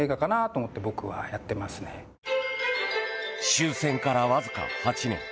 終戦から、わずか８年。